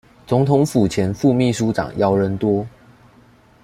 總統府前副祕書長姚人多